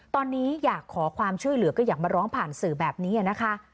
ตอนนี้อยากขอความช่วยเหลือก็อยากมาร้องผ่านสื่อแบบนี้นะคะ